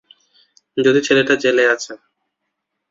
যেই ছেলেটা জেলে আছে।